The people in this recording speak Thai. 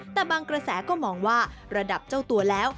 แต่บางกระแสก็มองว่าระดับเจ้าตัวแล้ว